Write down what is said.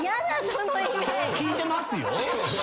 そう聞いてますよ。